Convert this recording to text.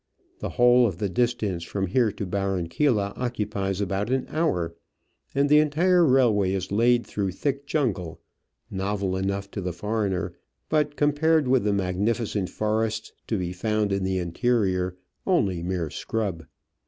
The whole of the distance from here to Barranquilla occupies about an hour, and the entire railway is laid through thick jungle, novel enough to the foreigner, but, compared with the magnificent forests to be found in the interior, only mere scrub.